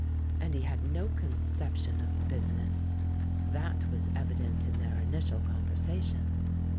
And he had no conception of business: that was evident in their initial conversation.